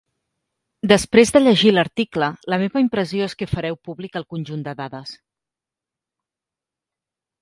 Després de llegir l'article, la meva impressió és que fareu públic el conjunt de dades.